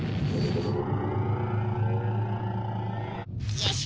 よし！